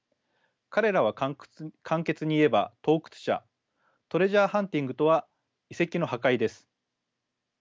彼らは簡潔に言えば盗掘者トレジャーハンティングとは遺跡の破壊です。